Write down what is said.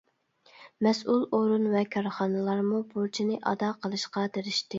مەسئۇل ئورۇن ۋە كارخانىلارمۇ بۇرچىنى ئادا قىلىشقا تىرىشتى.